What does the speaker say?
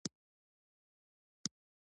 ورته ومي د بصارت او بصیرت توپیر همد دادی،